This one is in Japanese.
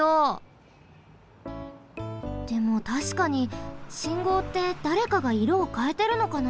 でもたしかに信号ってだれかがいろをかえてるのかな？